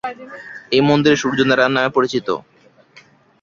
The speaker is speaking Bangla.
এই মন্দিরে সূর্য নারায়ণ নামে পরিচিত।